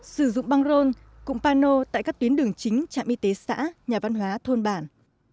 sử dụng băng rôn cụm pano tại các tuyến đường chính trạm y tế xã nhà văn hóa thôn bản